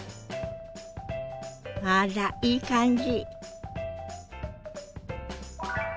あらいい感じ。